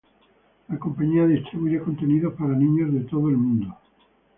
La compañía distribuye contenidos para niños de todo el world.